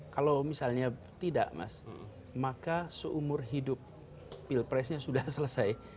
kalau misalnya tidak mas maka seumur hidup pilpresnya sudah selesai